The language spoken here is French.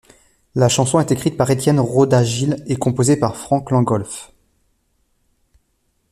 La chanson est écrite par Étienne Roda-Gil et composée par Franck Langolff.